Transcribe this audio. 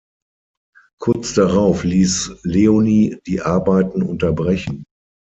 Kurz darauf ließ Leoni die Arbeiten unterbrechen.